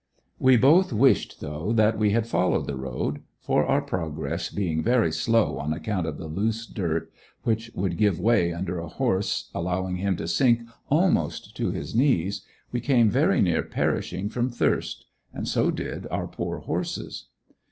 We both wished though, that we had followed the road, for, our progress being very slow on account of the loose dirt which would give away under a horse, allowing him to sink almost to his knees, we came very near perishing from thirst; and so did our poor horses.